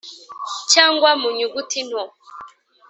cyangwa mu nyuguti nto